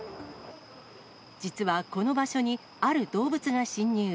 実はこの場所にある動物が侵入。